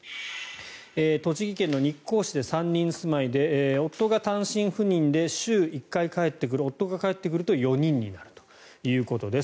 栃木県日光市で３人住まいで夫が単身赴任で週１回帰ってくる夫が帰ってくると４人になるということです。